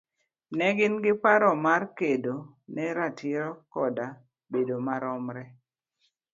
ne gin gi paro mar kedo ne ratiro koda bedo maromre